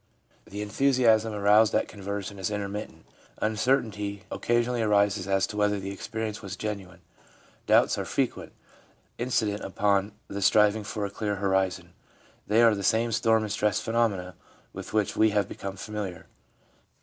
The enthusiasm aroused at conversion is intermittent ; uncertainty occasionally arises as to whether the experience was genuine; doubts are frequent, incident upon the striving for a clear horizon ; they are the same storm and stress phenomena with which we have become familiar.